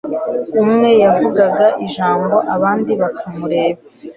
umwe yavuga ijambo abandi bakamureba